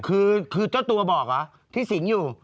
คือเจ้าตัวบอกที่สิงห์อยู่